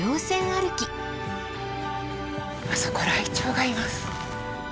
あそこライチョウがいます。